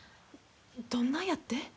どんなやって？